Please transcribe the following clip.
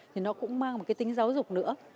thì nó cũng mang một cái tính giáo dục nữa